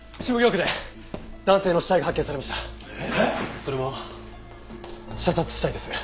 それも射殺死体です。